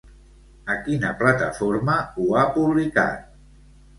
A quina plataforma ho ha publicat?